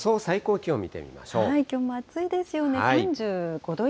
きょうも暑いですよね。